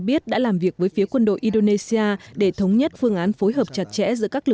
biết đã làm việc với phía quân đội indonesia để thống nhất phương án phối hợp chặt chẽ giữa các